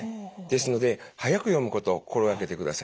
ですので速く読むことを心掛けてください。